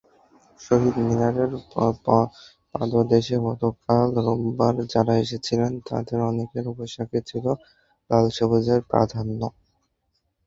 শহীদ মিনারের পাদদেশে গতকাল রোববার যাঁরা এসেছিলেন তাঁদের অনেকের পোশাকে ছিল লাল-সবুজের প্রাধান্য।